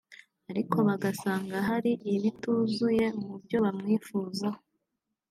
ariko bagasanga hari ibituzuye mu byo bamwifuzaho